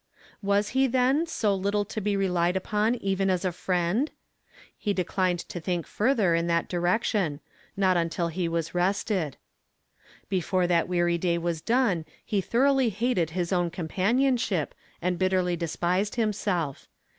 Was he, then, so little to be relied upon even as a friend ? He declined to think further in that direction, — not until he was rested. Before that weary day was done he thoroughly hated his own companionship, and bitterly despised himself.